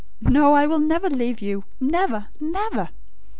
... No, I will never leave you; never, never!